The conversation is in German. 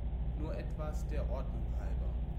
Nur etwas der Ordnung halber.